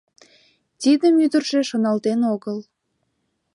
Тидым ӱдыржӧ шоналтен огыл.